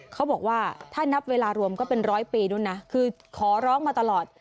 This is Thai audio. เขาบอกว่าถ้านับเวลารวมก็เป็นร้อยปีด้วยนะคือขอร้องมาตลอด